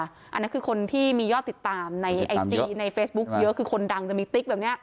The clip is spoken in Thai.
อันนั้นคือคนที่มียอดติดตามในไอจีในเฟซบุ๊คเยอะคือคนดังจะมีติ๊กแบบนี้